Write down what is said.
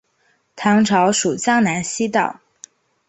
唐朝属江南西道。